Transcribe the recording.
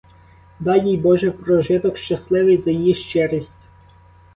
Дай їй боже прожиток щасливий за її щирість!